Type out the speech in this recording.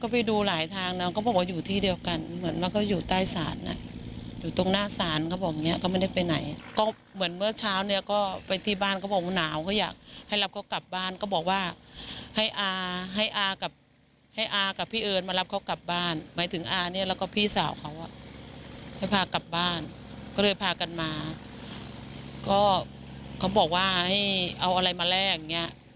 เพราะว่ากระแสน้ำมันไหลแรงมากจริง